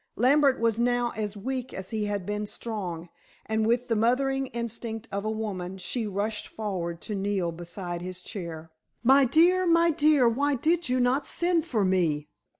Lambert was now as weak as he had been strong, and with the mothering instinct of a woman, she rushed forward to kneel beside his chair. "My dear, my dear, why did you not send for me?"